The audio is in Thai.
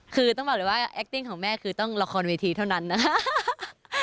คือต้องบอกเลยว่าแอคติ้งของแม่คือต้องละครเวทีเท่านั้นนะครับ